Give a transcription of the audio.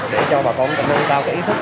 để cho bà con tạo ý thức